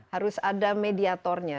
harus ada mediatornya